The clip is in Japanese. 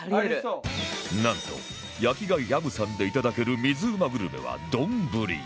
なんと焼き貝あぶさんでいただける水うまグルメは丼